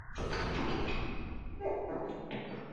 匍匐柳叶箬为禾本科柳叶箬属下的一个种。